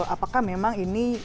apakah memang ini